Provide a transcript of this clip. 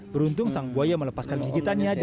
beruntung sang buaya melepaskan gigitannya